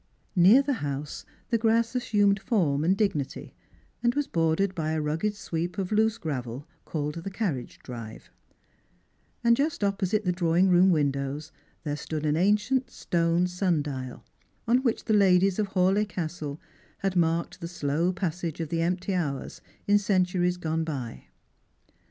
Near the house the grass assumed form and dignity, and was bordered by a rugged sweep of loose gravel, called the carriage drive; and just opposite the drawing room windows there stood an ancient stone sun dial, on which the ladies of Hawleigh Castle had marked the slow passage of the empty hours in centuries gone by.